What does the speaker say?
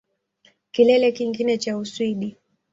Kilele kingine cha Uswidi